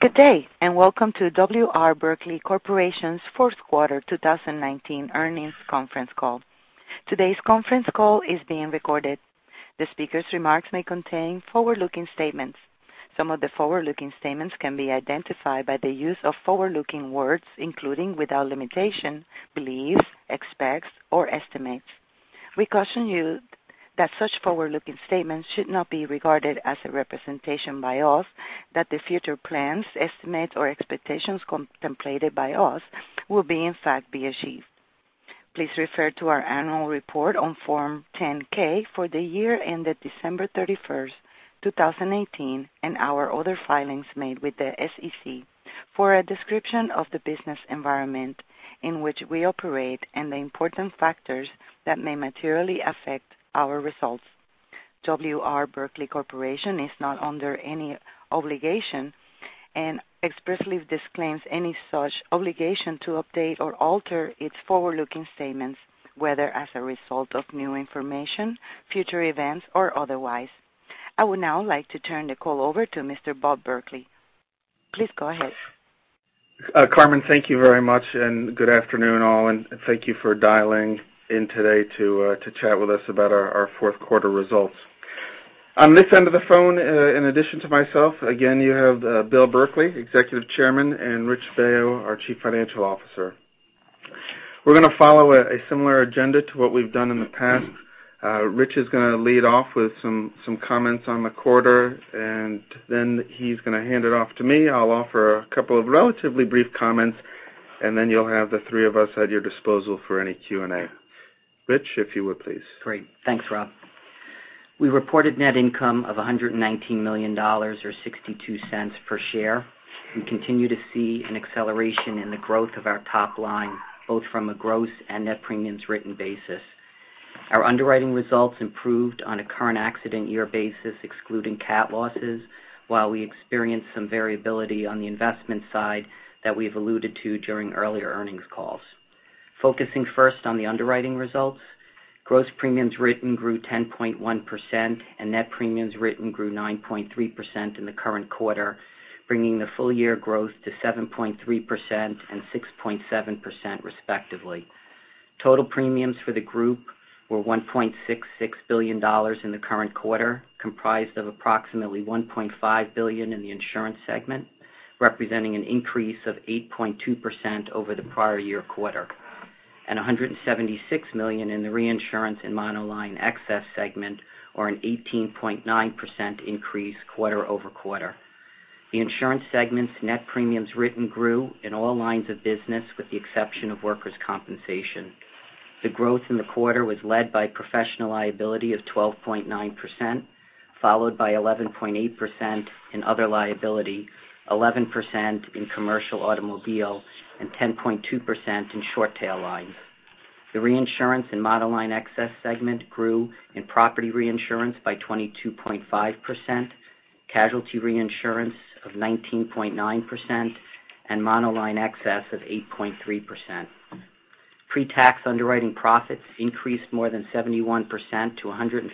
Good day, and welcome to W. R. Berkley Corporation's fourth quarter 2019 earnings conference call. Today's conference call is being recorded. The speaker's remarks may contain forward-looking statements. Some of the forward-looking statements can be identified by the use of forward-looking words, including, without limitation, believes, expects or estimates. We caution you that such forward-looking statements should not be regarded as a representation by us that the future plans, estimates, or expectations contemplated by us will in fact be achieved. Please refer to our annual report on Form 10-K for the year ended December 31st, 2018, and our other filings made with the SEC for a description of the business environment in which we operate and the important factors that may materially affect our results. W. R. Berkley Corporation is not under any obligation and expressly disclaims any such obligation to update or alter its forward-looking statements, whether as a result of new information, future events, or otherwise. I would now like to turn the call over to Mr. Bob Berkley. Please go ahead. Carmen, thank you very much, and good afternoon, all, and thank you for dialing in today to chat with us about our fourth quarter results. On this end of the phone, in addition to myself, again, you have Bill Berkley, Executive Chairman, and Rich Baio, our Chief Financial Officer. We're going to follow a similar agenda to what we've done in the past. Rich is going to lead off with some comments on the quarter, and then he's going to hand it off to me. I'll offer a couple of relatively brief comments, and then you'll have the three of us at your disposal for any Q&A. Rich, if you would please. Great. Thanks, Rob. We reported net income of $119 million, or $0.62 per share. We continue to see an acceleration in the growth of our top line, both from a gross and net premiums written basis. Our underwriting results improved on a current accident year basis, excluding cat losses, while we experienced some variability on the investment side that we've alluded to during earlier earnings calls. Focusing first on the underwriting results, gross premiums written grew 10.1%, and net premiums written grew 9.3% in the current quarter, bringing the full-year growth to 7.3% and 6.7%, respectively. Total premiums for the group were $1.66 billion in the current quarter, comprised of approximately $1.5 billion in the insurance segment, representing an increase of 8.2% over the prior year quarter, and $176 million in the reinsurance in monoline excess segment, or an 18.9% increase quarter-over-quarter. The insurance segment's net premiums written grew in all lines of business, with the exception of workers' compensation. The growth in the quarter was led by professional liability of 12.9%, followed by 11.8% in other liability, 11% in commercial automobile, and 10.2% in short tail lines. The reinsurance in monoline excess segment grew in property reinsurance by 22.5%, casualty reinsurance of 19.9%, and monoline excess of 8.3%. Pre-tax underwriting profits increased more than 71% to $115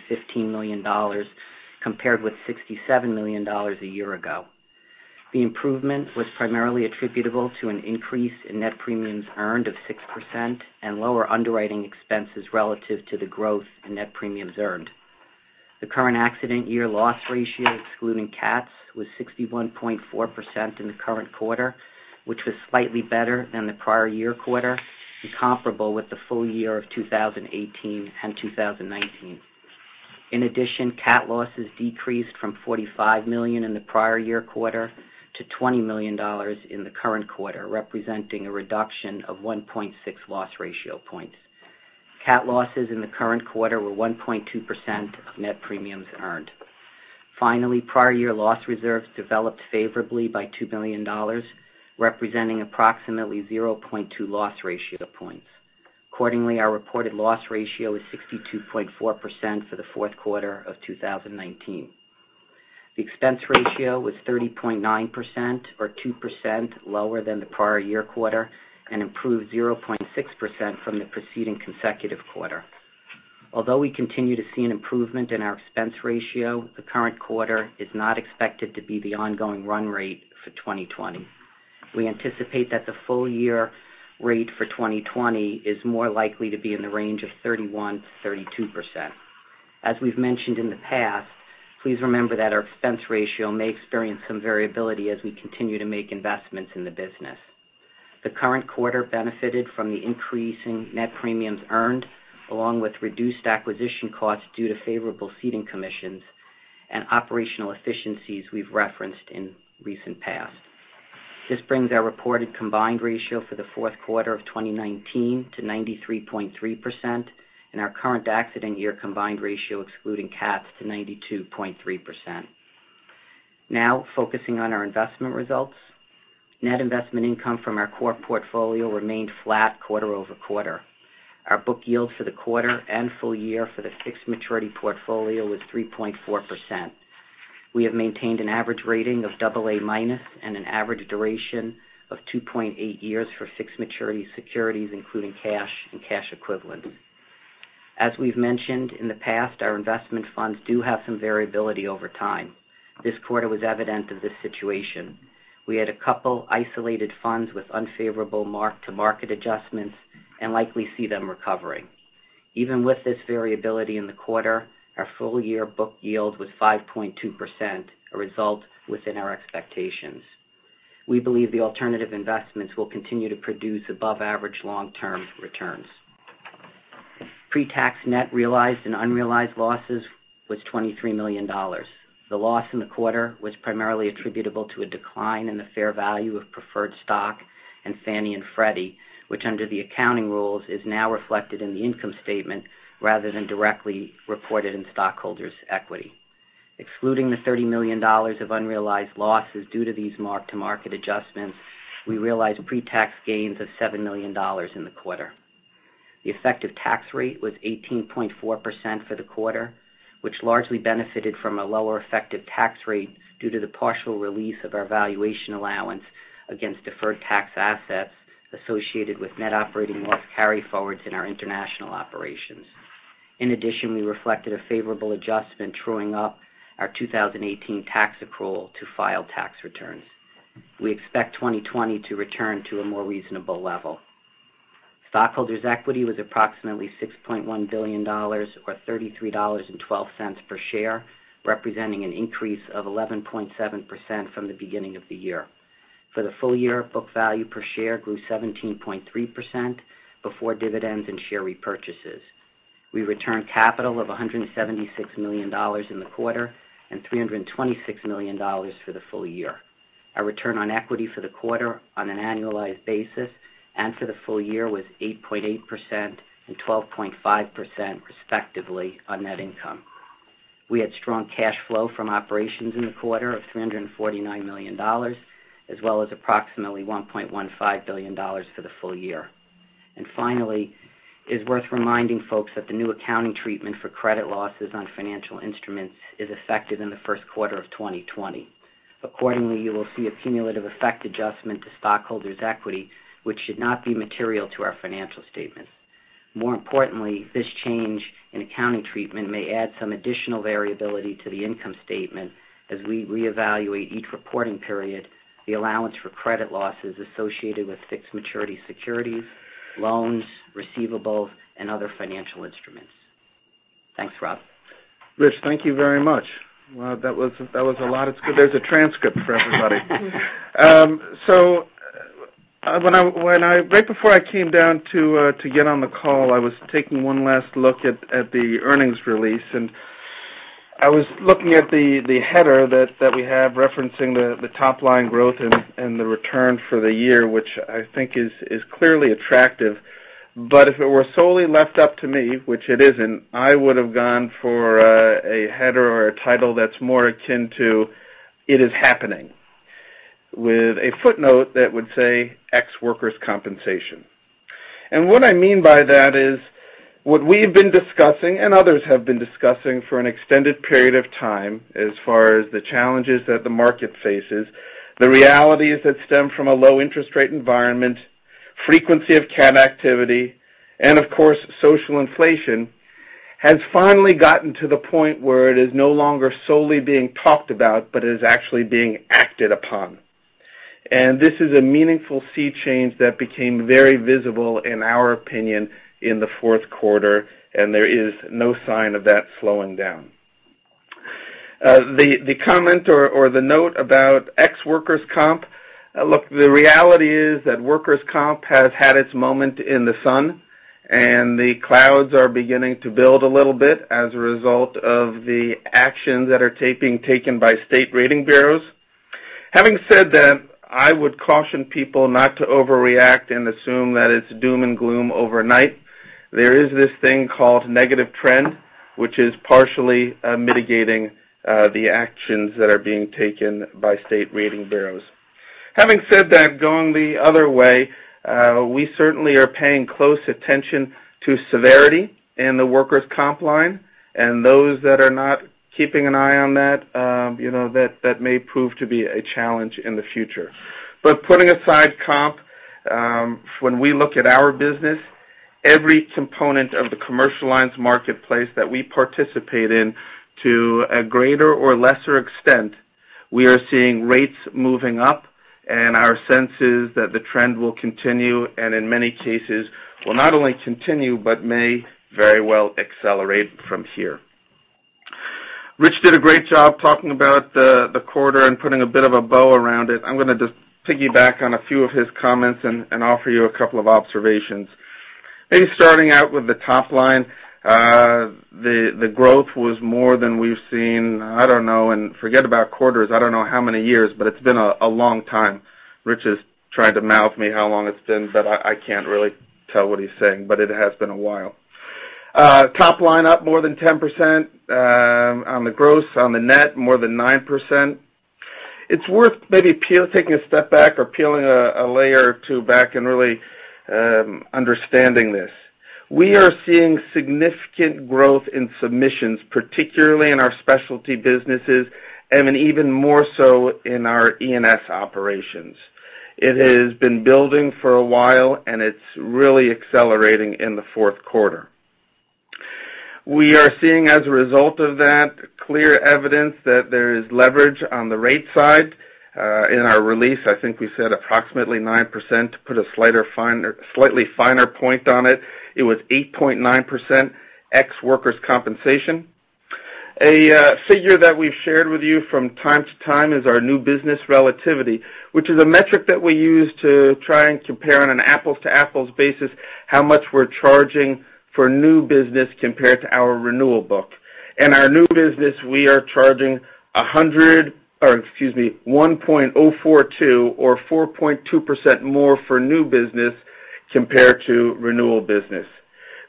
million, compared with $67 million a year ago. The improvement was primarily attributable to an increase in net premiums earned of 6% and lower underwriting expenses relative to the growth in net premiums earned. The current accident year loss ratio, excluding cats, was 61.4% in the current quarter, which was slightly better than the prior year quarter and comparable with the full year of 2018 and 2019. In addition, cat losses decreased from $45 million in the prior year quarter to $20 million in the current quarter, representing a reduction of 1.6 loss ratio points. Cat losses in the current quarter were 1.2% of net premiums earned. Finally, prior year loss reserves developed favorably by $2 million, representing approximately 0.2 loss ratio points. Accordingly, our reported loss ratio is 62.4% for the fourth quarter of 2019. The expense ratio was 30.9%, or 2% lower than the prior year quarter, and improved 0.6% from the preceding consecutive quarter. Although we continue to see an improvement in our expense ratio, the current quarter is not expected to be the ongoing run rate for 2020. We anticipate that the full year rate for 2020 is more likely to be in the range of 31%-32%. As we've mentioned in the past, please remember that our expense ratio may experience some variability as we continue to make investments in the business. The current quarter benefited from the increase in net premiums earned, along with reduced acquisition costs due to favorable ceding commissions and operational efficiencies we've referenced in recent past. This brings our reported combined ratio for the fourth quarter of 2019 to 93.3%, and our current accident year combined ratio, excluding cats, to 92.3%. Now, focusing on our investment results. Net investment income from our core portfolio remained flat quarter-over-quarter. Our book yield for the quarter and full year for the fixed maturity portfolio was 3.4%. We have maintained an average rating of double A minus and an average duration of 2.8 years for fixed maturity securities, including cash and cash equivalents. As we've mentioned in the past, our investment funds do have some variability over time. This quarter was evident of this situation. We had a couple isolated funds with unfavorable mark-to-market adjustments and likely see them recovering. Even with this variability in the quarter, our full-year book yield was 5.2%, a result within our expectations. We believe the alternative investments will continue to produce above-average long-term returns. Pre-tax net realized and unrealized losses was $23 million. The loss in the quarter was primarily attributable to a decline in the fair value of preferred stock in Fannie and Freddie, which under the accounting rules is now reflected in the income statement rather than directly reported in stockholders' equity. Excluding the $30 million of unrealized losses due to these mark-to-market adjustments, we realized pre-tax gains of $7 million in the quarter. The effective tax rate was 18.4% for the quarter, which largely benefited from a lower effective tax rate due to the partial release of our valuation allowance against deferred tax assets associated with net operating loss carryforwards in our international operations. In addition, we reflected a favorable adjustment truing up our 2018 tax accrual to file tax returns. We expect 2020 to return to a more reasonable level. Stockholders' equity was approximately $6.1 billion or $33.12 per share, representing an increase of 11.7% from the beginning of the year. For the full year, book value per share grew 17.3% before dividends and share repurchases. We returned capital of $176 million in the quarter and $326 million for the full year. Our return on equity for the quarter on an annualized basis and for the full year was 8.8% and 12.5%, respectively, on net income. We had strong cash flow from operations in the quarter of $349 million, as well as approximately $1.15 billion for the full year. Finally, it's worth reminding folks that the new accounting treatment for credit losses on financial instruments is effective in the first quarter of 2020. Accordingly, you will see a cumulative effect adjustment to stockholders' equity, which should not be material to our financial statements. More importantly, this change in accounting treatment may add some additional variability to the income statement as we reevaluate each reporting period the allowance for credit losses associated with fixed maturity securities, loans, receivables, and other financial instruments. Thanks, Rob. Rich, thank you very much. Wow, that was a lot. It's good there's a transcript for everybody. Right before I came down to get on the call, I was taking one last look at the earnings release, and I was looking at the header that we have referencing the top-line growth and the return for the year, which I think is clearly attractive. If it were solely left up to me, which it isn't, I would've gone for a header or a title that's more akin to "It Is Happening," with a footnote that would say, "Ex workers' compensation." What I mean by that is what we've been discussing and others have been discussing for an extended period of time as far as the challenges that the market faces, the realities that stem from a low interest rate environment, frequency of cat activity, and of course, social inflation, has finally gotten to the point where it is no longer solely being talked about, but it is actually being acted upon. This is a meaningful sea change that became very visible, in our opinion, in the fourth quarter, and there is no sign of that slowing down. The comment or the note about ex workers' comp, look, the reality is that workers' comp has had its moment in the sun, and the clouds are beginning to build a little bit as a result of the actions that are taken by state rating bureaus. Having said that, I would caution people not to overreact and assume that it's doom and gloom overnight. There is this thing called negative trend, which is partially mitigating the actions that are being taken by state rating bureaus. Having said that, going the other way, we certainly are paying close attention to severity in the workers' comp line. Those that are not keeping an eye on that may prove to be a challenge in the future. Putting aside comp, when we look at our business, every component of the commercial lines marketplace that we participate in to a greater or lesser extent, we are seeing rates moving up, and our sense is that the trend will continue, and in many cases, will not only continue, but may very well accelerate from here. Rich did a great job talking about the quarter and putting a bit of a bow around it. I'm going to just piggyback on a few of his comments and offer you a couple of observations. Maybe starting out with the top line. The growth was more than we've seen, I don't know, and forget about quarters, I don't know how many years, but it's been a long time. Rich is trying to mouth me how long it's been, but I can't really tell what he's saying. It has been a while. Top line up more than 10% on the gross. On the net, more than 9%. It's worth maybe taking a step back or peeling a layer or two back and really understanding this. We are seeing significant growth in submissions, particularly in our specialty businesses, and even more so in our E&S operations. It has been building for a while, and it's really accelerating in the fourth quarter. We are seeing, as a result of that, clear evidence that there is leverage on the rate side. In our release, I think we said approximately 9%, to put a slightly finer point on it. It was 8.9% ex workers' compensation. A figure that we've shared with you from time to time is our new business relativity, which is a metric that we use to try and compare on an apples-to-apples basis how much we're charging for new business compared to our renewal book. Our new business, we are charging 1.042 or 4.2% more for new business compared to renewal business.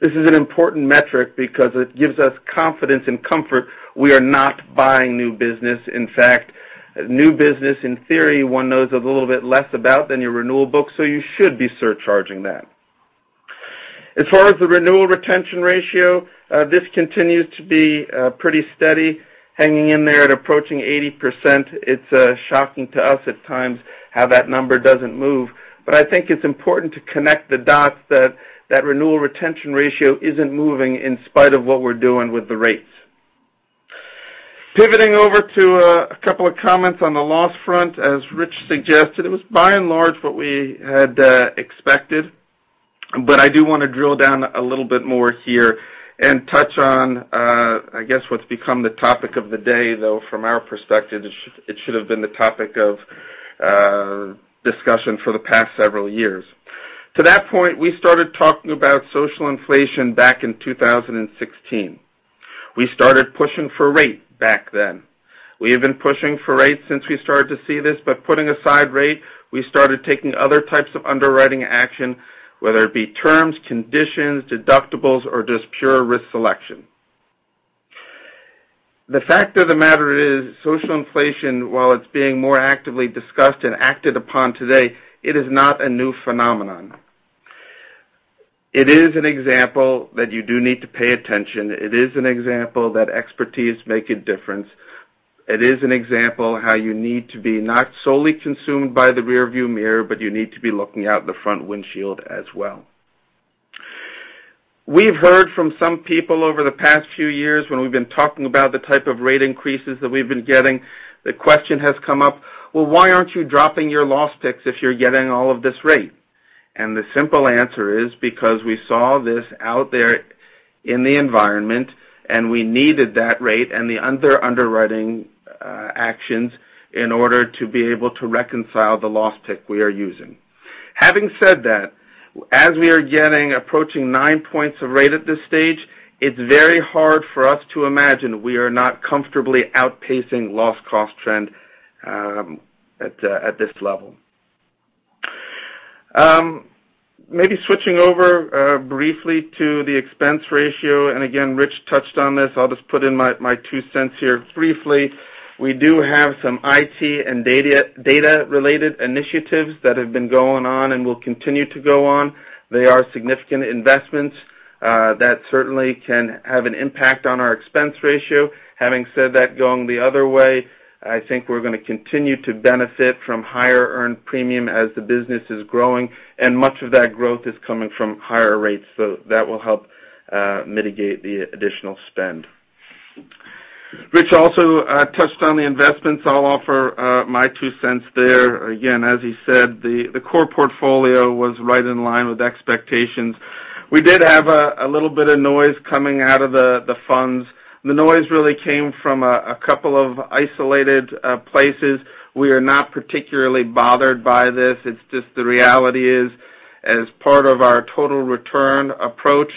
This is an important metric because it gives us confidence and comfort we are not buying new business. In fact, new business, in theory, one knows a little bit less about than your renewal book, so you should be surcharging that. As far as the renewal retention ratio, this continues to be pretty steady, hanging in there at approaching 80%. It's shocking to us at times how that number doesn't move. I think it's important to connect the dots that renewal retention ratio isn't moving in spite of what we're doing with the rates. Pivoting over to a couple of comments on the loss front. As Rich suggested, it was by and large what we had expected. I do want to drill down a little bit more here and touch on, I guess, what's become the topic of the day, though from our perspective, it should have been the topic of discussion for the past several years. To that point, we started talking about social inflation back in 2016. We started pushing for rate back then. We have been pushing for rate since we started to see this, but putting aside rate, we started taking other types of underwriting action, whether it be terms, conditions, deductibles, or just pure risk selection. The fact of the matter is, social inflation, while it's being more actively discussed and acted upon today, it is not a new phenomenon. It is an example that you do need to pay attention. It is an example that expertise make a difference. It is an example how you need to be not solely consumed by the rear view mirror, but you need to be looking out the front windshield as well. We've heard from some people over the past few years when we've been talking about the type of rate increases that we've been getting, the question has come up, well, why aren't you dropping your loss picks if you're getting all of this rate? The simple answer is because we saw this out there in the environment, and we needed that rate and the other underwriting actions in order to be able to reconcile the loss pick we are using. Having said that, as we are getting approaching nine points of rate at this stage, it's very hard for us to imagine we are not comfortably outpacing loss cost trend at this level. Maybe switching over briefly to the expense ratio, and again, Rich touched on this. I'll just put in my two cents here briefly. We do have some IT and data-related initiatives that have been going on and will continue to go on. They are significant investments that certainly can have an impact on our expense ratio. Having said that, going the other way, I think we're going to continue to benefit from higher earned premium as the business is growing, and much of that growth is coming from higher rates. That will help mitigate the additional spend. Rich also touched on the investments. I'll offer my two cents there. Again, as he said, the core portfolio was right in line with expectations. We did have a little bit of noise coming out of the funds. The noise really came from a couple of isolated places. We are not particularly bothered by this. It's just the reality is, as part of our total return approach,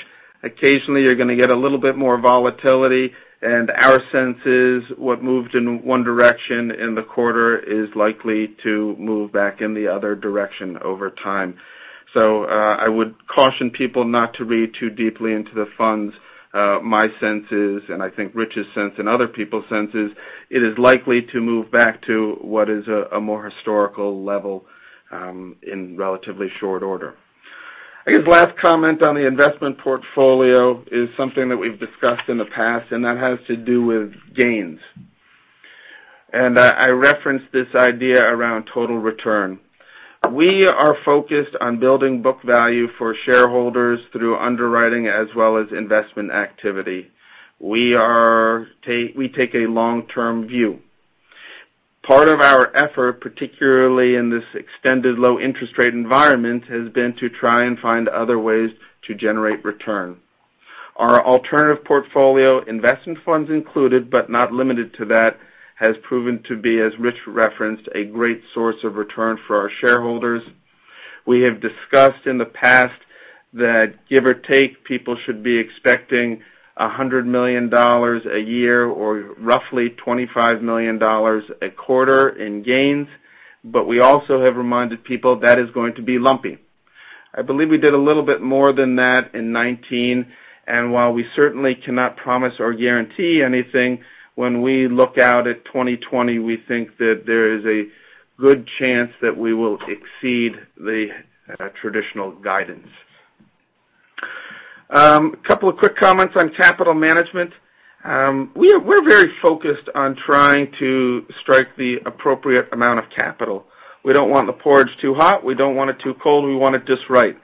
occasionally you're going to get a little bit more volatility, and our sense is what moved in one direction in the quarter is likely to move back in the other direction over time. I would caution people not to read too deeply into the funds. My sense is, and I think Rich's sense and other people's sense is, it is likely to move back to what is a more historical level in relatively short order. I guess last comment on the investment portfolio is something that we've discussed in the past, and that has to do with gains. I referenced this idea around total return. We are focused on building book value for shareholders through underwriting as well as investment activity. We take a long-term view. Part of our effort, particularly in this extended low interest rate environment, has been to try and find other ways to generate return. Our alternative portfolio, investment funds included, but not limited to that, has proven to be, as Rich referenced, a great source of return for our shareholders. We have discussed in the past that give or take, people should be expecting $100 million a year or roughly $25 million a quarter in gains. We also have reminded people that is going to be lumpy. I believe we did a little bit more than that in 2019, while we certainly cannot promise or guarantee anything, when we look out at 2020, we think that there is a good chance that we will exceed the traditional guidance. A couple of quick comments on capital management. We're very focused on trying to strike the appropriate amount of capital. We don't want the porridge too hot. We don't want it too cold. We want it just right.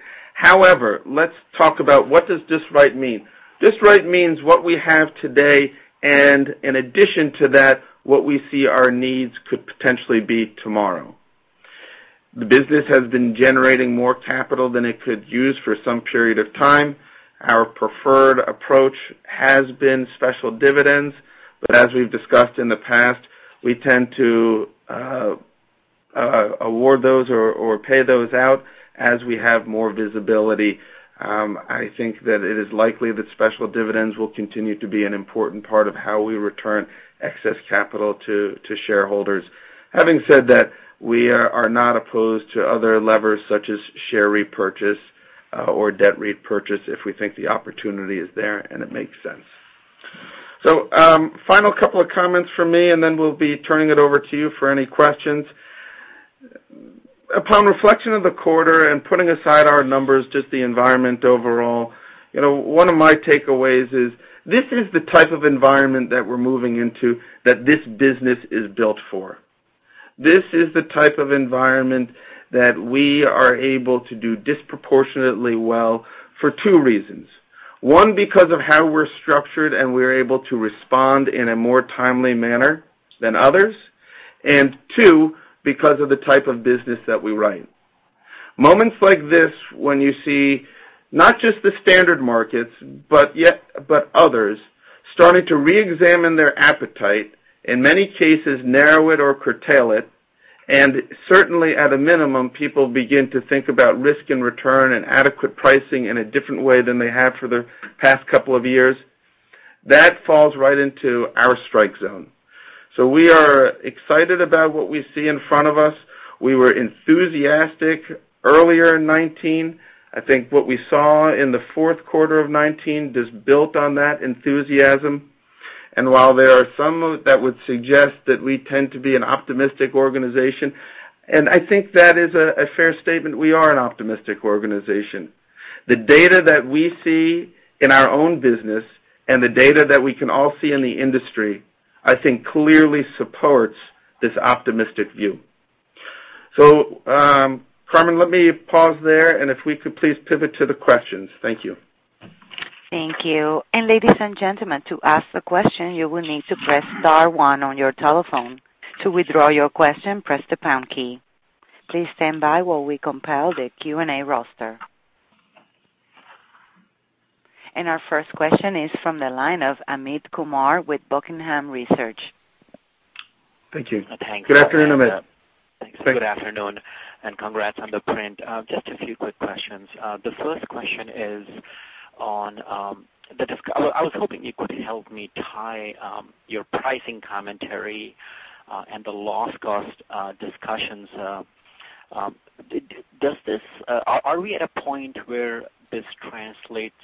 Let's talk about what does just right mean. Just right means what we have today, in addition to that, what we see our needs could potentially be tomorrow. The business has been generating more capital than it could use for some period of time. Our preferred approach has been special dividends, as we've discussed in the past, we tend to award those or pay those out as we have more visibility. I think that it is likely that special dividends will continue to be an important part of how we return excess capital to shareholders. Having said that, we are not opposed to other levers such as share repurchase or debt repurchase if we think the opportunity is there and it makes sense. Final couple of comments from me, then we'll be turning it over to you for any questions. Upon reflection of the quarter and putting aside our numbers, just the environment overall, one of my takeaways is this is the type of environment that we're moving into that this business is built for. This is the type of environment that we are able to do disproportionately well for two reasons. One, because of how we're structured, and we're able to respond in a more timely manner than others. Two, because of the type of business that we write. Moments like this, when you see not just the standard markets, but others starting to reexamine their appetite, in many cases, narrow it or curtail it, and certainly at a minimum, people begin to think about risk and return and adequate pricing in a different way than they have for the past couple of years. That falls right into our strike zone. We are excited about what we see in front of us. We were enthusiastic earlier in 2019. I think what we saw in the fourth quarter of 2019 just built on that enthusiasm. While there are some that would suggest that we tend to be an optimistic organization, and I think that is a fair statement, we are an optimistic organization. The data that we see in our own business and the data that we can all see in the industry, I think clearly supports this optimistic view. Carmen, let me pause there, and if we could please pivot to the questions. Thank you. Thank you. Ladies and gentlemen, to ask a question, you will need to press star one on your telephone. To withdraw your question, press the pound key. Please stand by while we compile the Q&A roster. Our first question is from the line of Amit Kumar with Buckingham Research. Thank you. Good afternoon, Amit. Thanks. Good afternoon, and congrats on the print. Just a few quick questions. I was hoping you could help me tie your pricing commentary and the loss cost discussions. Are we at a point where this translates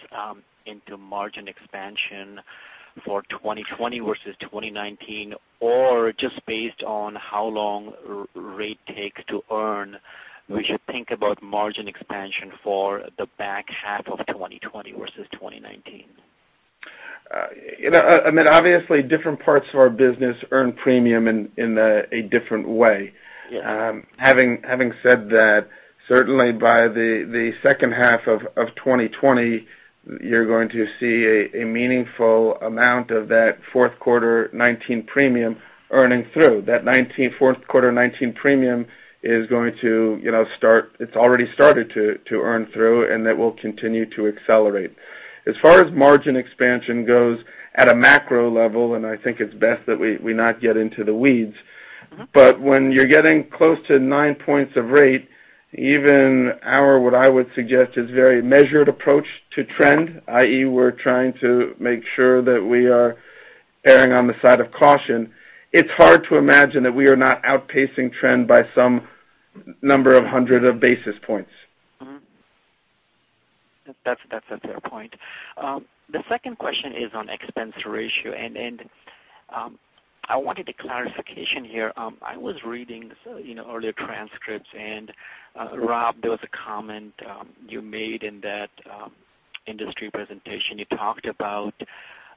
into margin expansion for 2020 versus 2019? Or just based on how long rate takes to earn, we should think about margin expansion for the back half of 2020 versus 2019? Amit, obviously, different parts of our business earn premium in a different way. Yes. Having said that, certainly by the second half of 2020, you're going to see a meaningful amount of that fourth quarter 2019 premium earning through. That fourth quarter 2019 premium, it's already started to earn through, and that will continue to accelerate. As far as margin expansion goes at a macro level, I think it's best that we not get into the weeds. When you're getting close to nine points of rate, even our, what I would suggest, is very measured approach to trend, i.e., we're trying to make sure that we are erring on the side of caution. It's hard to imagine that we are not outpacing trend by some number of 100 basis points. That's a fair point. The second question is on expense ratio. I wanted a clarification here. I was reading earlier transcripts. Rob, there was a comment you made in that industry presentation. You talked about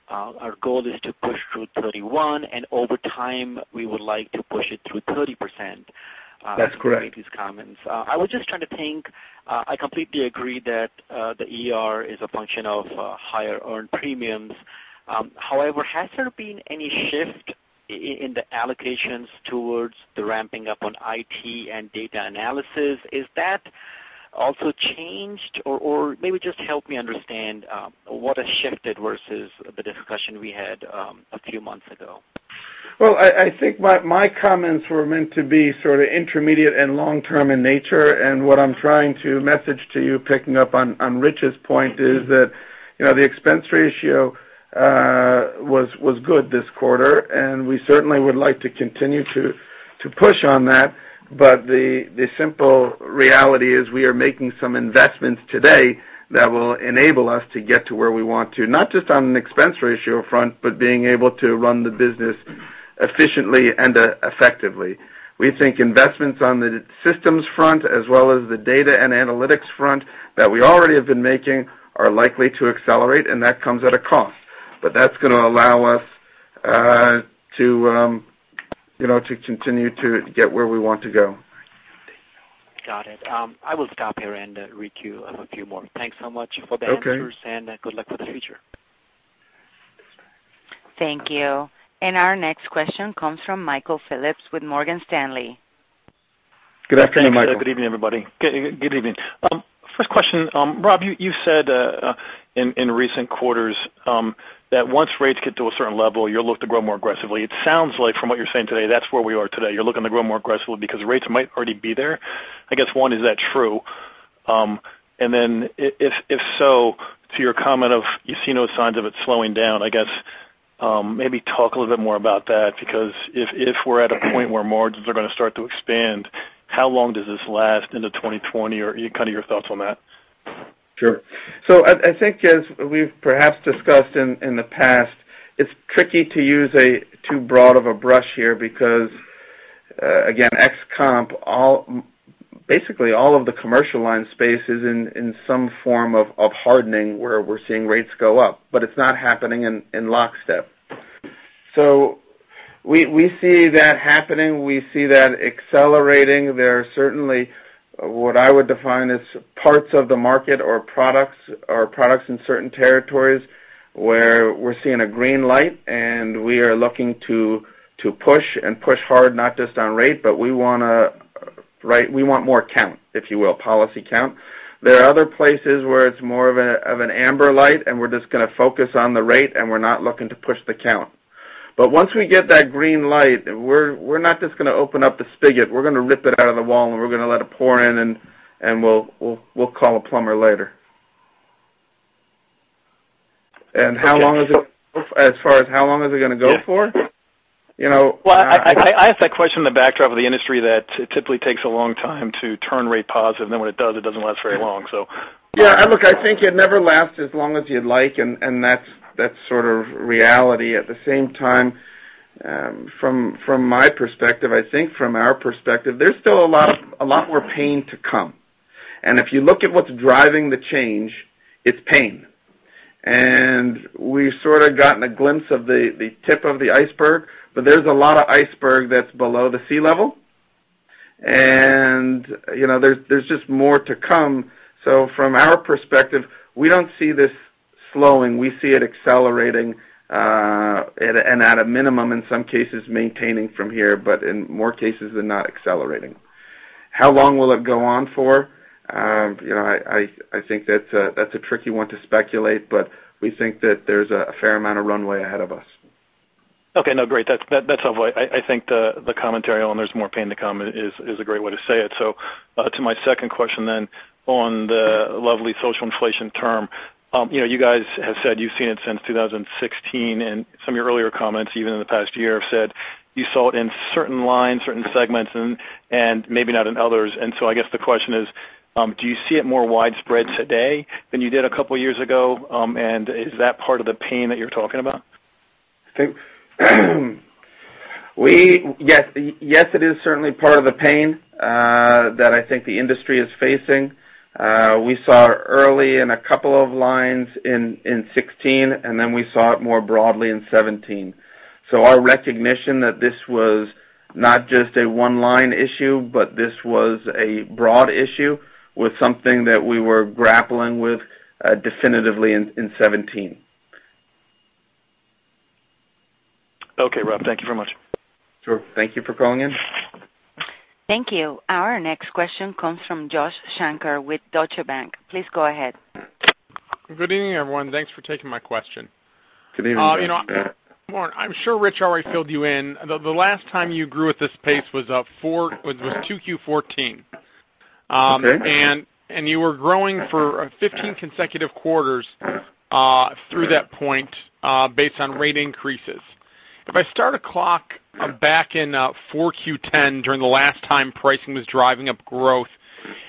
our goal is to push through 31. Over time, we would like to push it through 30%. That's correct. You made these comments. I was just trying to think. I completely agree that the ER is a function of higher earned premiums. However, has there been any shift in the allocations towards the ramping up on IT and data analysis? Is that also changed? Maybe just help me understand what has shifted versus the discussion we had a few months ago. Well, I think my comments were meant to be sort of intermediate and long-term in nature, and what I'm trying to message to you, picking up on Rich's point is that the expense ratio was good this quarter, and we certainly would like to continue to push on that. The simple reality is we are making some investments today that will enable us to get to where we want to, not just on an expense ratio front, but being able to run the business efficiently and effectively. We think investments on the systems front as well as the data and analytics front that we already have been making are likely to accelerate, and that comes at a cost. That's going to allow us to continue to get where we want to go. Got it. I will stop here and queue up a few more. Thanks so much for the answers. Okay. Good luck for the future. Thank you. Our next question comes from Michael Phillips with Morgan Stanley. Good afternoon, Michael. Good evening, everybody. Good evening. First question, Rob, you've said, in recent quarters that once rates get to a certain level, you'll look to grow more aggressively. It sounds like from what you're saying today, that's where we are today. You're looking to grow more aggressively because rates might already be there. I guess, one, is that true? Then, if so, to your comment of you see no signs of it slowing down, I guess, maybe talk a little bit more about that because if we're at a point where margins are going to start to expand, how long does this last into 2020? Kind of your thoughts on that? Sure. I think as we've perhaps discussed in the past, it's tricky to use too broad of a brush here because, again, ex comp, basically all of the commercial line space is in some form of hardening where we're seeing rates go up, but it's not happening in lockstep. We see that happening. We see that accelerating. There are certainly what I would define as parts of the market or products in certain territories where we're seeing a green light, and we are looking to push and push hard, not just on rate, but we want more count, if you will, policy count. There are other places where it's more of an amber light, and we're just going to focus on the rate, and we're not looking to push the count. Once we get that green light, we're not just going to open up the spigot. We're going to rip it out of the wall, and we're going to let it pour in, and we'll call a plumber later. As far as how long is it going to go for? Well, I ask that question in the backdrop of the industry that it typically takes a long time to turn rate positive. When it does, it doesn't last very long. Yeah, look, I think it never lasts as long as you'd like, and that's sort of reality. At the same time, from my perspective, I think from our perspective, there's still a lot more pain to come. If you look at what's driving the change, it's pain. We've sort of gotten a glimpse of the tip of the iceberg, but there's a lot of iceberg that's below the sea level. There's just more to come. From our perspective, we don't see this slowing. We see it accelerating, and at a minimum, in some cases, maintaining from here, but in more cases than not accelerating. How long will it go on for? I think that's a tricky one to speculate, but we think that there's a fair amount of runway ahead of us. Okay. No, great. That's helpful. I think the commentary on there's more pain to come is a great way to say it. To my second question, on the lovely social inflation term. You guys have said you've seen it since 2016, and some of your earlier comments, even in the past year, have said you saw it in certain lines, certain segments, and maybe not in others. I guess the question is, do you see it more widespread today than you did a couple of years ago? Is that part of the pain that you're talking about? Yes, it is certainly part of the pain that I think the industry is facing. We saw early in a couple of lines in 2016, and then we saw it more broadly in 2017. Our recognition that this was not just a one-line issue, but this was a broad issue, was something that we were grappling with definitively in 2017. Okay, Rob. Thank you very much. Sure. Thank you for calling in. Thank you. Our next question comes from Josh Shanker with Deutsche Bank. Please go ahead. Good evening, everyone. Thanks for taking my question. Good evening. You know, Mark, I'm sure Rich already filled you in. The last time you grew at this pace was 2Q 2014. Okay. You were growing for 15 consecutive quarters through that point, based on rate increases. If I start a clock back in 4Q10 during the last time pricing was driving up growth,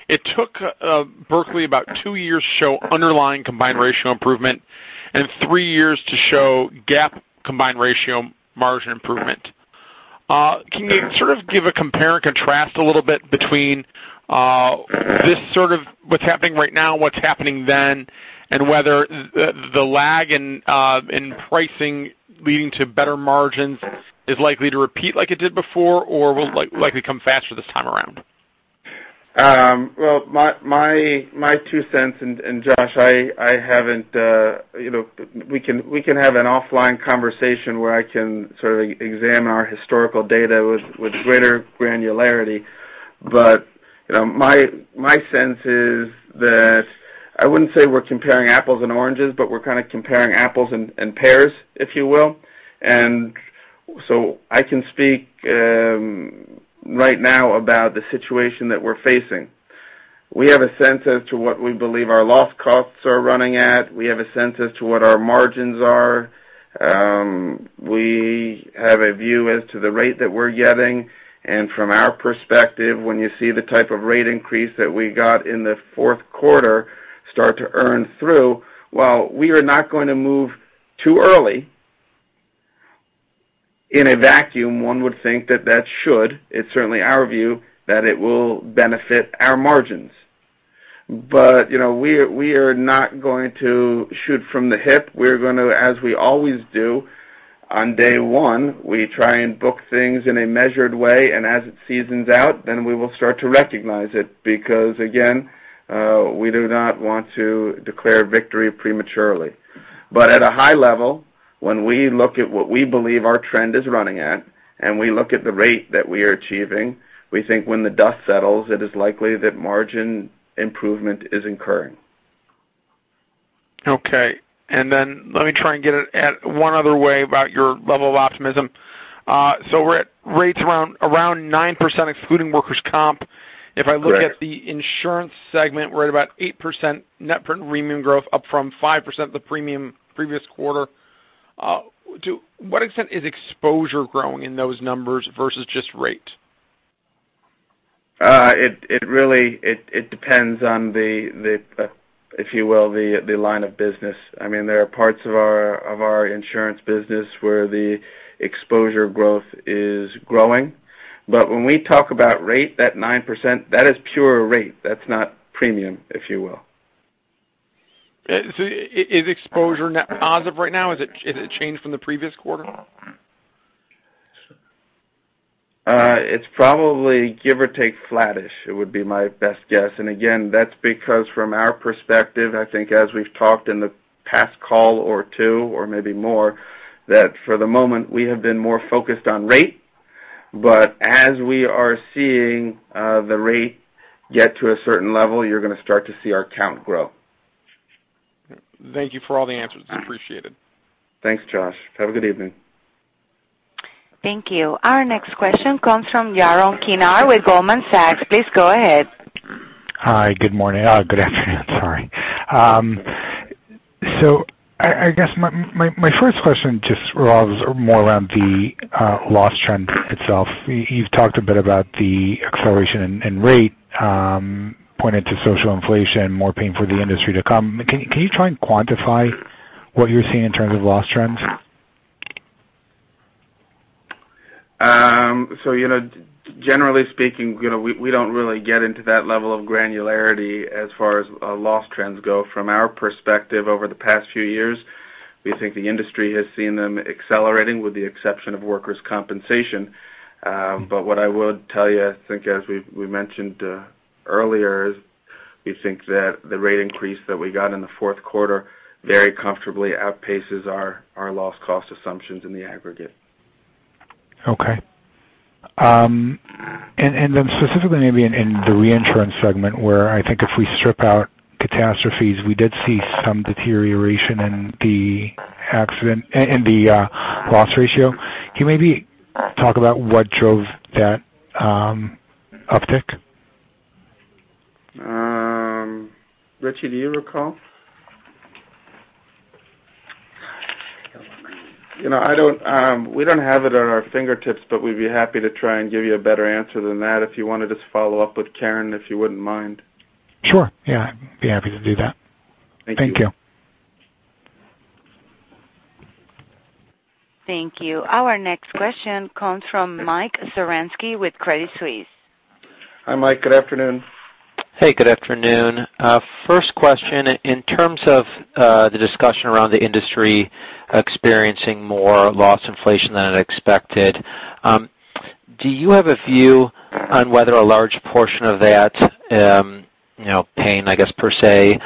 it took W. R. Berkley about two years to show underlying combined ratio improvement and three years to show GAAP combined ratio margin improvement. Can you sort of give a compare and contrast a little bit between this sort of what's happening right now and what's happening then, and whether the lag in pricing leading to better margins is likely to repeat like it did before, or will it likely come faster this time around? Well, my two cents, Josh, we can have an offline conversation where I can sort of examine our historical data with greater granularity. My sense is that I wouldn't say we're comparing apples and oranges, but we're kind of comparing apples and pears, if you will. I can speak right now about the situation that we're facing. We have a sense as to what we believe our loss costs are running at. We have a sense as to what our margins are. We have a view as to the rate that we're getting. From our perspective, when you see the type of rate increase that we got in the fourth quarter start to earn through, while we are not going to move too early, in a vacuum, one would think that that should, it's certainly our view, that it will benefit our margins. We are not going to shoot from the hip. We're going to, as we always do, on day one, we try and book things in a measured way, and as it seasons out, then we will start to recognize it, because again, we do not want to declare victory prematurely. At a high level, when we look at what we believe our trend is running at, and we look at the rate that we are achieving, we think when the dust settles, it is likely that margin improvement is occurring. Okay. Let me try and get at it one other way about your level of optimism. We're at rates around 9%, excluding workers' comp. Correct. If I look at the insurance segment, we're at about 8% net premium growth up from 5% the previous quarter. To what extent is exposure growing in those numbers versus just rate? It depends on the, if you will, the line of business. There are parts of our insurance business where the exposure growth is growing. When we talk about rate, that 9%, that is pure rate. That's not premium, if you will. Is exposure, as of right now, has it changed from the previous quarter? It's probably give or take flattish. It would be my best guess. Again, that's because from our perspective, I think as we've talked in the past call or two or maybe more, that for the moment, we have been more focused on rate. As we are seeing the rate get to a certain level, you're going to start to see our count grow. Thank you for all the answers. Appreciate it. Thanks, Josh. Have a good evening. Thank you. Our next question comes from Yaron Kinar with Goldman Sachs. Please go ahead. Hi, good morning. Good afternoon, sorry. I guess my first question just revolves more around the loss trend itself. You've talked a bit about the acceleration in rate, pointed to social inflation, more pain for the industry to come. Can you try and quantify what you're seeing in terms of loss trends? Generally speaking, we don't really get into that level of granularity as far as loss trends go. From our perspective over the past few years, we think the industry has seen them accelerating, with the exception of workers' compensation. What I would tell you, I think as we mentioned earlier, is we think that the rate increase that we got in the fourth quarter very comfortably outpaces our loss cost assumptions in the aggregate. Okay. Specifically maybe in the reinsurance segment, where I think if we strip out catastrophes, we did see some deterioration in the loss ratio. Can you maybe talk about what drove that uptick? Richie, do you recall? We don't have it at our fingertips, but we'd be happy to try and give you a better answer than that if you want to just follow up with Karen, if you wouldn't mind. Sure, yeah, I'd be happy to do that. Thank you. Thank you. Thank you. Our next question comes from Mike Zaremski with Credit Suisse. Hi, Mike, good afternoon. Hey, good afternoon. First question, in terms of the discussion around the industry experiencing more loss inflation than expected, do you have a view on whether a large portion of that pain, I guess per se,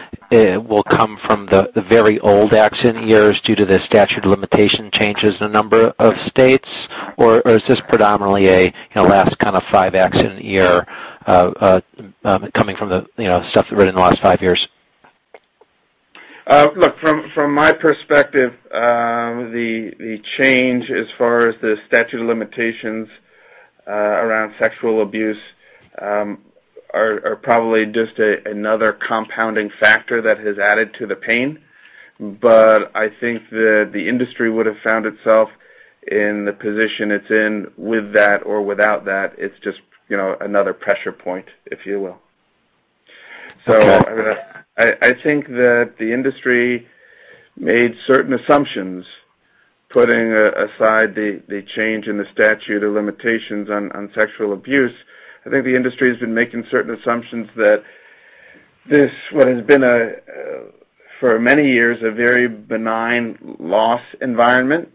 will come from the very old accident years due to the statute of limitation changes in a number of states? Or is this predominantly a last kind of five accident year, coming from the stuff written in the last five years? Look, from my perspective, the change as far as the statute of limitations around sexual abuse are probably just another compounding factor that has added to the pain. I think that the industry would have found itself in the position it's in with that or without that. It's just another pressure point, if you will. Okay. I think that the industry made certain assumptions, putting aside the change in the statute of limitations on sexual abuse. I think the industry has been making certain assumptions that this, what has been for many years, a very benign loss environment,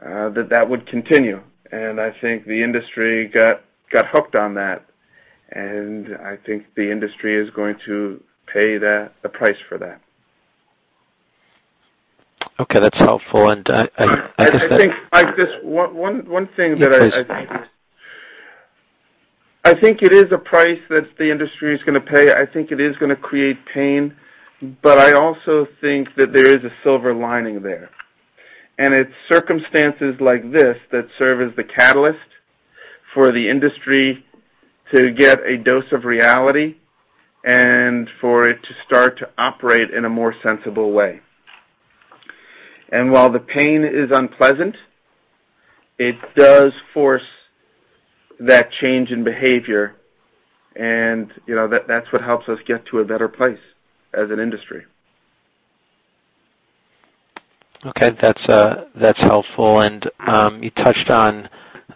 that that would continue. I think the industry got hooked on that, and I think the industry is going to pay the price for that. Okay, that's helpful. I guess that- I think, Mike, just one thing that I- Yeah, please. I think it is a price that the industry is going to pay. I think it is going to create pain, but I also think that there is a silver lining there. It's circumstances like this that serve as the catalyst for the industry to get a dose of reality and for it to start to operate in a more sensible way. While the pain is unpleasant, it does force that change in behavior, and that's what helps us get to a better place as an industry. Okay, that's helpful. You touched on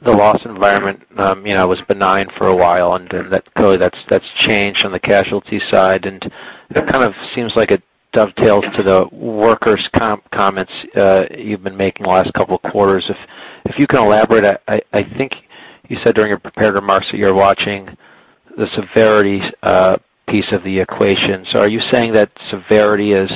the loss environment, it was benign for a while, and clearly that's changed on the casualty side, and that kind of seems like it dovetails to the workers' comp comments you've been making the last couple of quarters. If you can elaborate, I think you said during your prepared remarks that you're watching the severity piece of the equation. Are you saying that severity is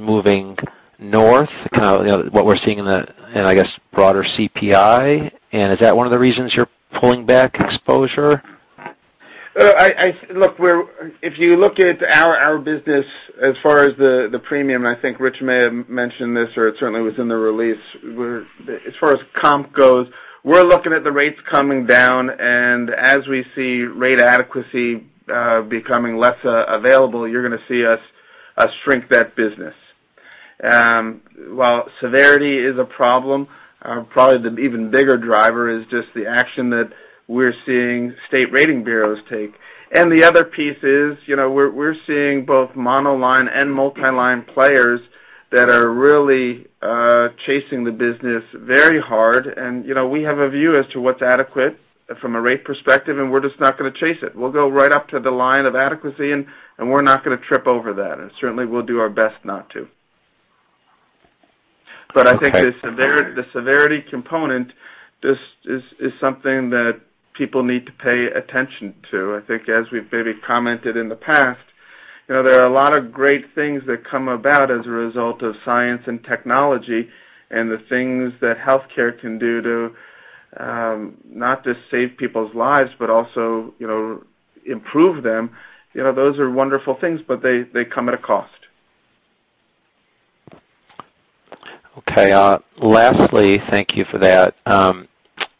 moving north, kind of, what we're seeing in, I guess, broader CPI? Is that one of the reasons you're pulling back exposure? Look, if you look at our business as far as the premium, I think Rich may have mentioned this, or it certainly was in the release. As far as comp goes, we're looking at the rates coming down, and as we see rate adequacy becoming less available, you're going to see us shrink that business. While severity is a problem, probably the even bigger driver is just the action that we're seeing state rating bureaus take. The other piece is, we're seeing both monoline and multiline players that are really chasing the business very hard. We have a view as to what's adequate from a rate perspective, and we're just not going to chase it. We'll go right up to the line of adequacy, and we're not going to trip over that. Certainly, we'll do our best not to. Okay. I think the severity component just is something that people need to pay attention to. I think as we've maybe commented in the past, there are a lot of great things that come about as a result of science and technology, and the things that healthcare can do to not just save people's lives, but also improve them. Those are wonderful things, but they come at a cost. Okay. Lastly, thank you for that.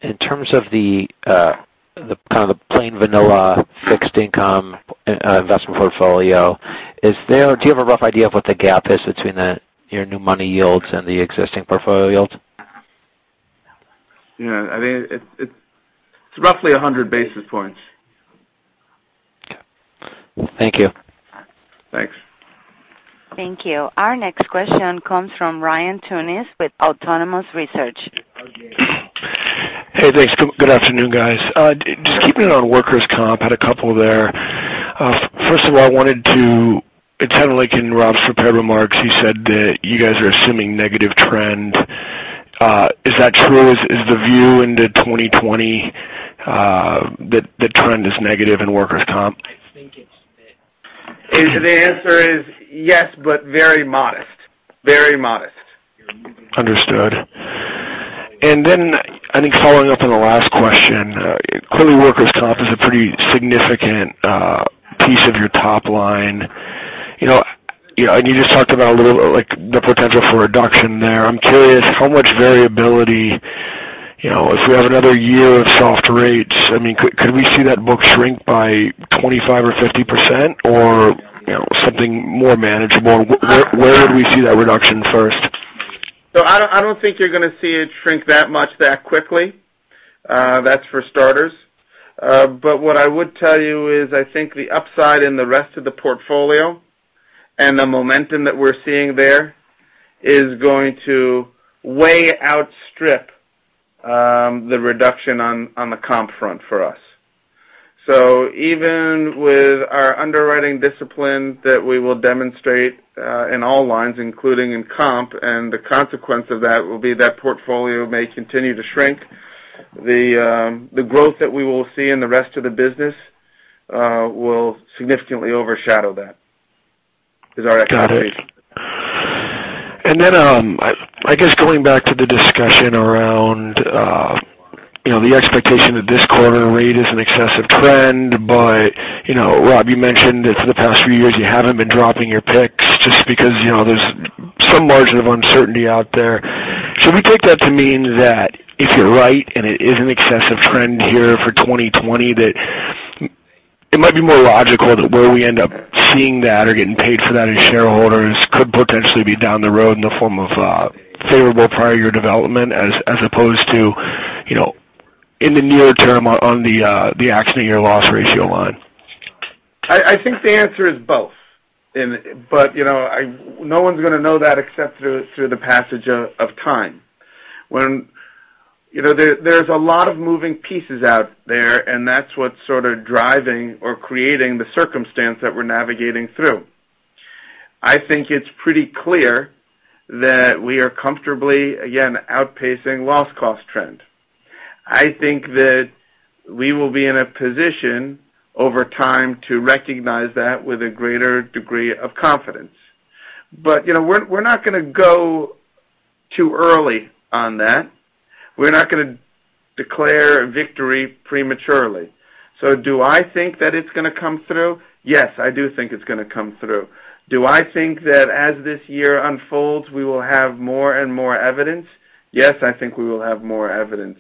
In terms of the kind of plain vanilla fixed income investment portfolio, do you have a rough idea of what the gap is between your new money yields and the existing portfolio yields? Yeah, I think it's roughly 100 basis points. Okay. Thank you. Thanks. Thank you. Our next question comes from Ryan Tunis with Autonomous Research. Hey, thanks. Good afternoon, guys. First of all, it sounded like in Rob's prepared remarks, you said that you guys are assuming negative trend. Is that true? Is the view into 2020 that the trend is negative in workers' comp? The answer is yes, but very modest. Very modest. Understood. I think following up on the last question, clearly workers' comp is a pretty significant piece of your top line. You just talked about a little, like, the potential for reduction there. I'm curious how much variability, if we have another year of soft rates, could we see that book shrink by 25% or 50% or something more manageable? Where would we see that reduction first? I don't think you're going to see it shrink that much that quickly. That's for starters. What I would tell you is, I think the upside in the rest of the portfolio and the momentum that we're seeing there is going to way outstrip the reduction on the comp front for us. Even with our underwriting discipline that we will demonstrate in all lines, including in comp, and the consequence of that will be that portfolio may continue to shrink. The growth that we will see in the rest of the business will significantly overshadow that, is our expectation. Got it. I guess going back to the discussion around the expectation that this quarter rate is an excessive trend. Rob, you mentioned that for the past few years, you haven't been dropping your picks just because there's some margin of uncertainty out there. Should we take that to mean that if you're right, and it is an excessive trend here for 2020, that it might be more logical that where we end up seeing that or getting paid for that as shareholders could potentially be down the road in the form of favorable prior year development as opposed to in the near term on the accident year loss ratio line? I think the answer is both. No one's going to know that except through the passage of time. There's a lot of moving pieces out there, that's what's sort of driving or creating the circumstance that we're navigating through. I think it's pretty clear that we are comfortably, again, outpacing loss cost trend. I think that we will be in a position over time to recognize that with a greater degree of confidence. We're not going to go too early on that. We're not going to declare victory prematurely. Do I think that it's going to come through? Yes, I do think it's going to come through. Do I think that as this year unfolds, we will have more and more evidence? Yes, I think we will have more evidence.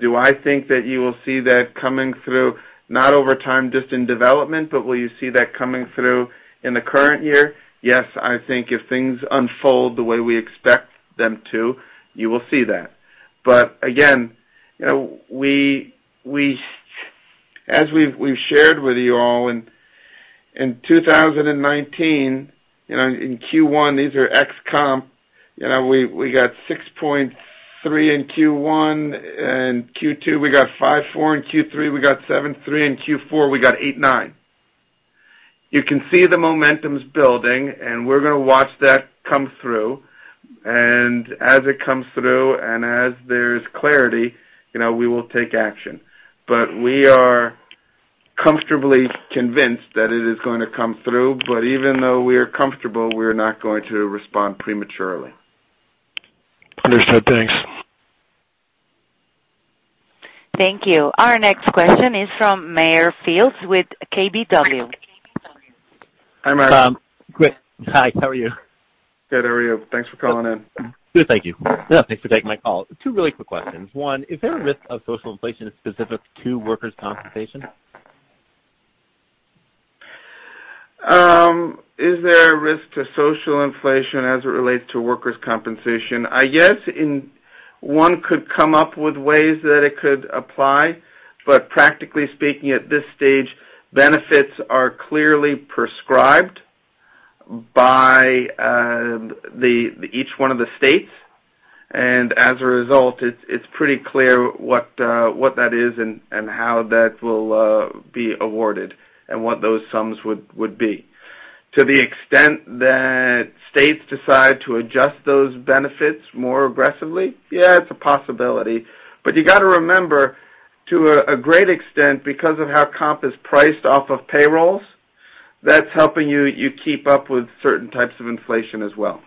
Do I think that you will see that coming through, not over time, just in development, but will you see that coming through in the current year? Yes, I think if things unfold the way we expect them to, you will see that. Again we As we've shared with you all, in 2019, in Q1, these are ex comp, we got 6.3 in Q1, and Q2 we got 5.4, in Q3 we got 7.3, in Q4 we got 8.9. You can see the momentum's building, and we're going to watch that come through. As it comes through and as there's clarity, we will take action. We are comfortably convinced that it is going to come through. Even though we are comfortable, we're not going to respond prematurely. Understood. Thanks. Thank you. Our next question is from Meyer Shields with KBW. Hi, Meyer. Great. Hi, how are you? Good. How are you? Thanks for calling in. Good, thank you. Thanks for taking my call. Two really quick questions. One, is there a risk of social inflation specific to workers' compensation? Is there a risk to social inflation as it relates to workers' compensation? Yes, one could come up with ways that it could apply, but practically speaking, at this stage, benefits are clearly prescribed by each one of the states. As a result, it's pretty clear what that is and how that will be awarded and what those sums would be. To the extent that states decide to adjust those benefits more aggressively, yeah, it's a possibility. You got to remember, to a great extent, because of how comp is priced off of payrolls, that's helping you keep up with certain types of inflation as well.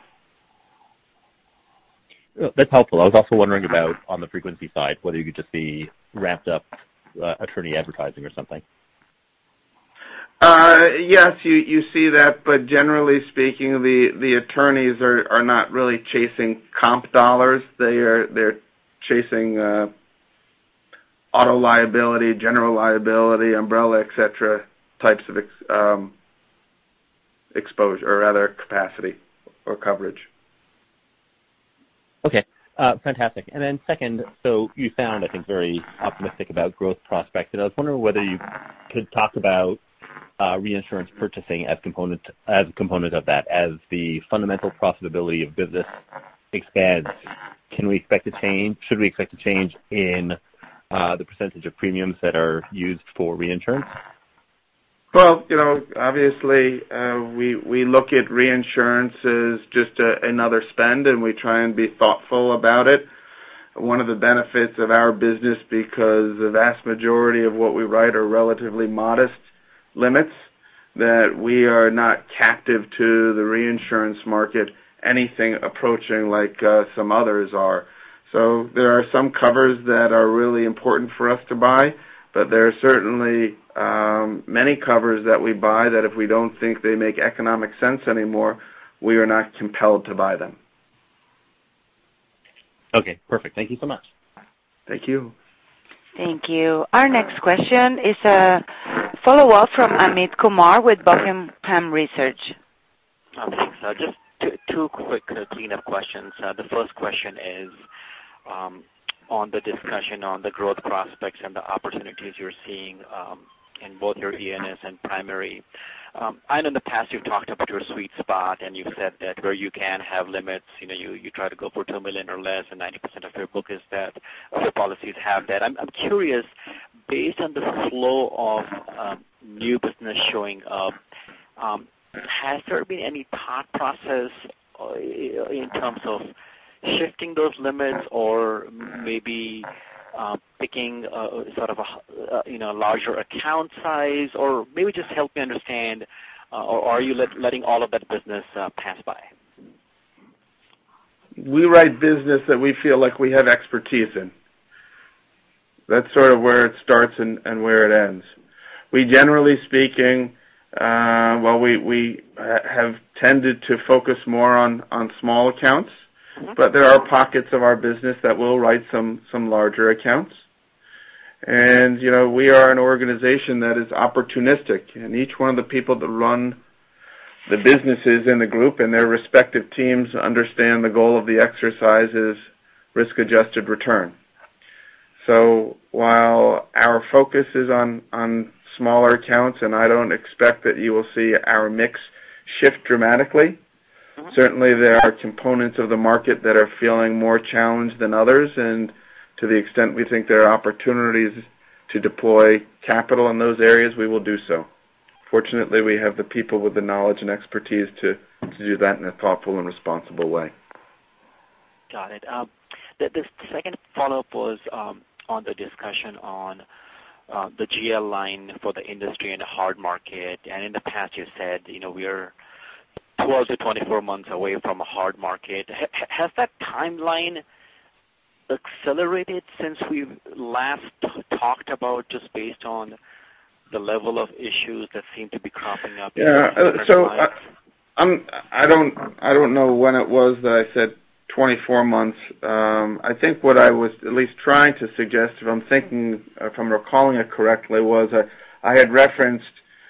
That's helpful. I was also wondering about on the frequency side, whether you could just see ramped up attorney advertising or something. Yes, you see that, but generally speaking, the attorneys are not really chasing comp dollars. They're chasing auto liability, general liability, umbrella, et cetera, types of exposure or rather, capacity or coverage. Okay. Fantastic. Second, you sound, I think, very optimistic about growth prospects, and I was wondering whether you could talk about reinsurance purchasing as a component of that. As the fundamental profitability of business expands, should we expect a change in the percentage of premiums that are used for reinsurance? Well, obviously, we look at reinsurance as just another spend, and we try and be thoughtful about it. One of the benefits of our business, because the vast majority of what we write are relatively modest limits, that we are not captive to the reinsurance market, anything approaching like some others are. There are some covers that are really important for us to buy, but there are certainly many covers that we buy that if we don't think they make economic sense anymore, we are not compelled to buy them. Okay, perfect. Thank you so much. Thank you. Thank you. Our next question is a follow-up from Amit Kumar with Buckingham Research. Thanks. Just two quick cleanup questions. The first question is on the discussion on the growth prospects and the opportunities you're seeing in both your E&S and primary. I know in the past you've talked about your sweet spot, and you've said that where you can have limits, you try to go for $2 million or less, and 90% of your book is that, or your policies have that. I'm curious, based on the flow of new business showing up, has there been any thought process in terms of shifting those limits or maybe picking a larger account size? Or maybe just help me understand, are you letting all of that business pass by? We write business that we feel like we have expertise in. That's sort of where it starts and where it ends. We, generally speaking, well, we have tended to focus more on small accounts, but there are pockets of our business that we'll write some larger accounts. We are an organization that is opportunistic, and each one of the people that run the businesses in the group and their respective teams understand the goal of the exercise is risk-adjusted return. While our focus is on smaller accounts, and I don't expect that you will see our mix shift dramatically, certainly there are components of the market that are feeling more challenged than others. To the extent we think there are opportunities to deploy capital in those areas, we will do so. Fortunately, we have the people with the knowledge and expertise to do that in a thoughtful and responsible way. Got it. The second follow-up was on the discussion on the GL line for the industry and the hard market. In the past, you said we are 12 to 24 months away from a hard market. Has that timeline accelerated since we've last talked about, just based on the level of issues that seem to be cropping up in different lines? Yeah. I don't know when it was that I said 24 months. I think what I was at least trying to suggest, if I'm thinking, if I'm recalling it correctly, was I had referenced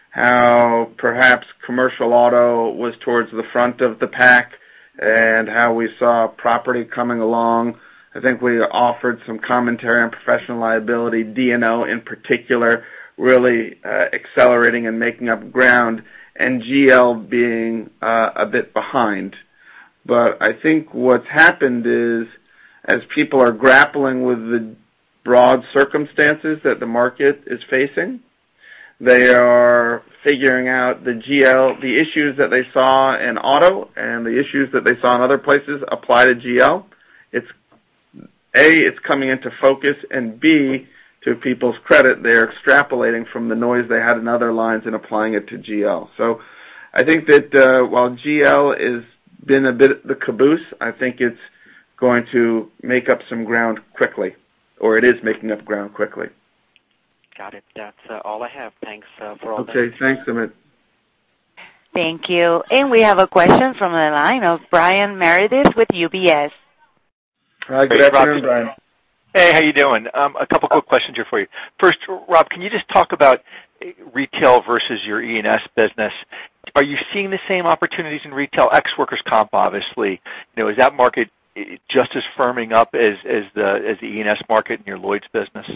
how perhaps commercial auto was towards the front of the pack, and how we saw property coming along. I think we offered some commentary on professional liability, D&O in particular, really accelerating and making up ground, and GL being a bit behind. I think what's happened is, as people are grappling with the broad circumstances that the market is facing, they are figuring out the GL, the issues that they saw in auto, and the issues that they saw in other places apply to GL. A, it's coming into focus. B, to people's credit, they're extrapolating from the noise they had in other lines and applying it to GL. I think that while GL has been a bit of the caboose, I think it's going to make up some ground quickly, or it is making up ground quickly. Got it. That's all I have. Thanks for all the- Okay, thanks, Amit. Thank you. We have a question from the line of Brian Meredith with UBS. Hi, good afternoon, Brian. Hey, how you doing? A couple quick questions here for you. First, Rob, can you just talk about retail versus your E&S business? Are you seeing the same opportunities in retail, ex workers' comp, obviously. Is that market just as firming up as the E&S market in your Lloyd's business?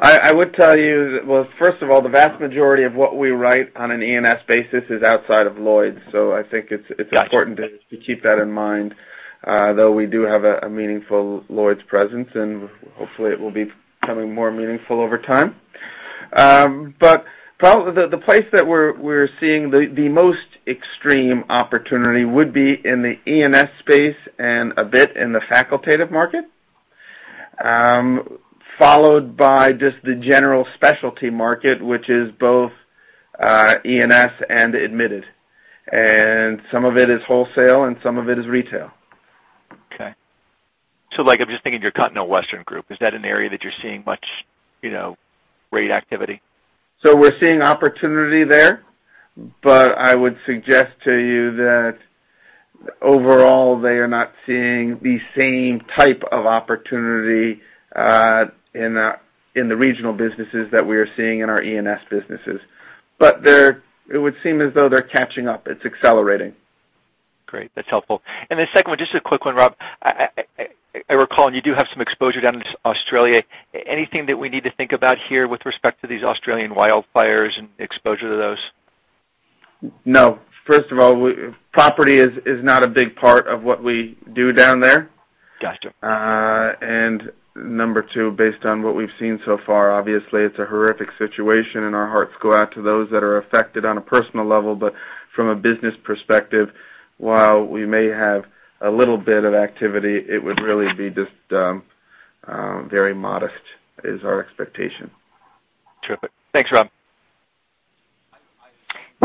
I would tell you that, well, first of all, the vast majority of what we write on an E&S basis is outside of Lloyd's. I think it's important. Got you. to keep that in mind. We do have a meaningful Lloyd's presence, and hopefully it will be becoming more meaningful over time. The place that we're seeing the most extreme opportunity would be in the E&S space and a bit in the facultative market, followed by just the general specialty market, which is both E&S and admitted. Some of it is wholesale and some of it is retail. Okay. I'm just thinking of your Continental Western Group. Is that an area that you're seeing much rate activity? We're seeing opportunity there, but I would suggest to you that overall, they are not seeing the same type of opportunity in the regional businesses that we are seeing in our E&S businesses. It would seem as though they're catching up. It's accelerating. Great. That's helpful. The second one, just a quick one, Rob. I recall you do have some exposure down in Australia. Anything that we need to think about here with respect to these Australian wildfires and exposure to those? No. First of all, property is not a big part of what we do down there. Got you. Number 2, based on what we've seen so far, obviously, it's a horrific situation, and our hearts go out to those that are affected on a personal level. From a business perspective, while we may have a little bit of activity, it would really be just very modest, is our expectation. Terrific. Thanks, Rob.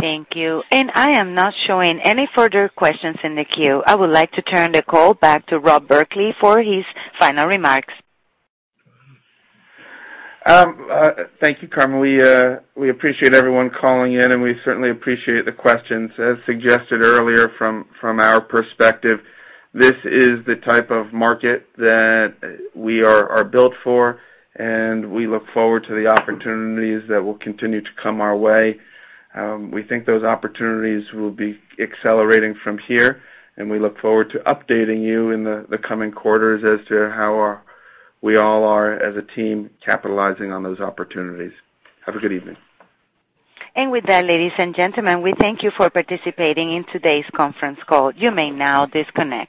Thank you. I am not showing any further questions in the queue. I would like to turn the call back to Rob Berkley for his final remarks. Thank you, Carmen. We appreciate everyone calling in, and we certainly appreciate the questions. As suggested earlier, from our perspective, this is the type of market that we are built for, and we look forward to the opportunities that will continue to come our way. We think those opportunities will be accelerating from here, and we look forward to updating you in the coming quarters as to how we all are, as a team, capitalizing on those opportunities. Have a good evening. With that, ladies and gentlemen, we thank you for participating in today's conference call. You may now disconnect.